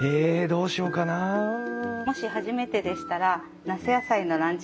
もし初めてでしたら那須野菜のランチ